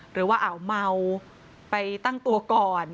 หรือว่าเมาไปตั้งตัวก่อน